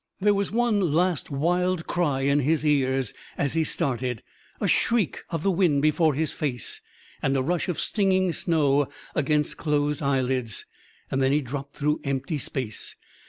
There was one last wild cry in his ears as he started, a shriek of the wind before his face, and a rush of stinging snow against closed eyelids and then he dropped through empty space.